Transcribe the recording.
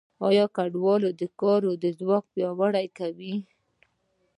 کډوال د کار ځواک پیاوړی کوي.